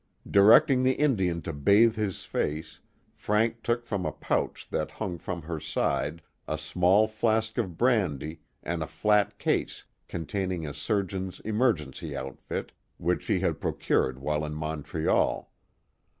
Directing the Indian to bathe his face, Frank took from a pouch that hung from her side a small flask of brandy and a flat case containing a surgeon's emergency outfit, which she had procured while in Montreal.